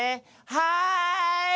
「はい」。